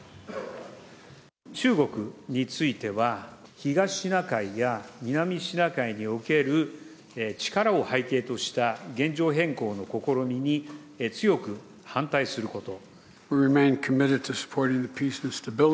中国については、東シナ海や南シナ海における力を背景とした現状変更の試みに強く反対すること。